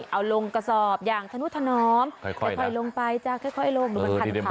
เอาลงกระสอบอย่างทะนุทะนอมค่อยลงไปจ้ะค่อยลง